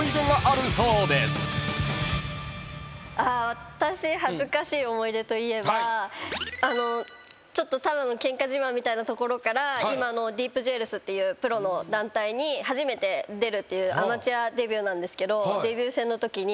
私恥ずかしい思い出といえばただのケンカ自慢みたいなところから今のＤＥＥＰＪＥＷＥＬＳっていうプロの団体に初めて出るっていうアマチュアデビューなんですけどデビュー戦のときに。